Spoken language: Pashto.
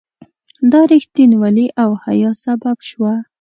دا رښتینولي او حیا سبب شوه.